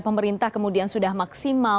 pemerintah kemudian sudah maksimal